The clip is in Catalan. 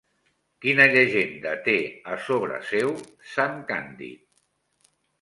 Quina llegenda té a sobre seu sant Càndid?